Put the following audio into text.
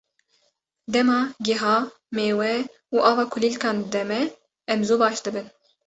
Dema gîha, mêwe û ava kulîlkan dide me, em zû baş dibin.